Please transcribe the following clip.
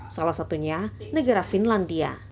salah satunya negara finlandia